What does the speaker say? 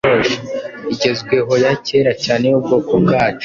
igezwehoya kera cyane yubwoko bwacu